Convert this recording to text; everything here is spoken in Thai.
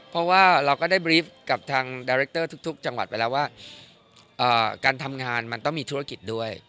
เพราะว่าเราก็ได้บรีฟกับทางดาเรคเตอร์ทุกจังหวัดไปแล้วว่าการทำงานมันต้องมีธุรกิจด้วย